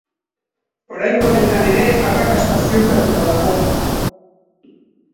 Oraingo honetan ere, arrakasta ziurtatuta dago.